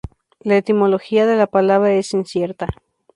La etimología de la palabra es incierta.